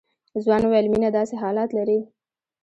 ځوان وويل مينه داسې حالات لري.